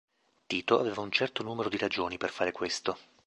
Tito aveva un certo numero di ragioni per fare questo.